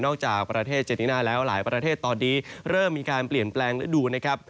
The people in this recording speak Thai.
จากประเทศเจนิน่าแล้วหลายประเทศตอนนี้เริ่มมีการเปลี่ยนแปลงฤดูนะครับ